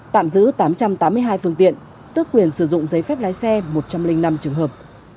tạm giữ tám trăm tám mươi hai phương tiện tức quyền sử dụng giấy phép lái xe một trăm linh năm trường hợp